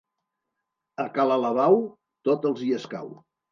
A ca l'Alabau, tot els hi escau.